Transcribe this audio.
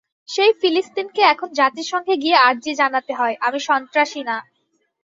সেই ফিলিস্তিনকেই এখন জাতিসংঘে গিয়ে আরজি জানাতে হয়, আমি সন্ত্রাসী না।